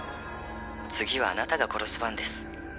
次はあなたが殺す番です」